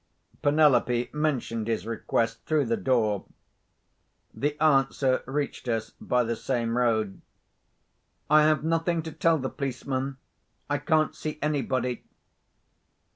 Penelope mentioned his request through the door. The answer reached us by the same road: "I have nothing to tell the policeman—I can't see anybody."